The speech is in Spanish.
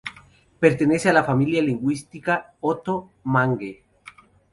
Pertenece a la familia lingüística oto-mangue.